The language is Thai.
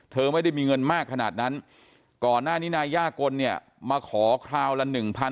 ไม่ได้มีเงินมากขนาดนั้นก่อนหน้านี้นายย่ากลเนี่ยมาขอคราวละ๑๐๐